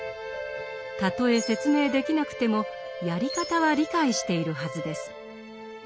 たとえ説明できなくてもやり方は理解しているはずです。